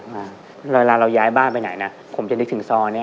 มาเวลาเราย้ายบ้านไปไหนนะผมจะนึกถึงซอยนี้